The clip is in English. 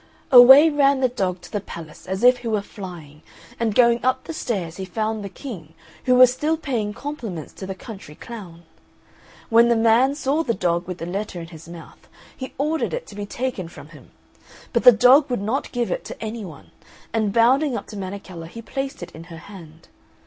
Away ran the dog to the palace as if he were flying, and going up the stairs he found the King, who was still paying compliments to the country clown. When the man saw the dog with the letter in his mouth, he ordered it to be taken from him; but the dog would not give it to any one, and bounding up to Menechella he placed it in her hand.